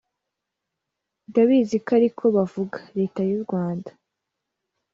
“Ndabizi ko ari ko bavuga [leta y’u Rwanda]